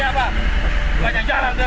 kau belum pernah ke daerah ini siapa